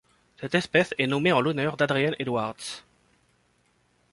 Cette espèce est nommée en l'honneur d'Adrienne Edwards.